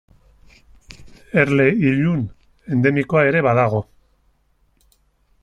Erle ilun endemikoa ere badago.